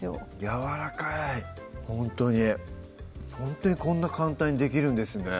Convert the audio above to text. やわらかいほんとにほんとにこんな簡単にできるんですね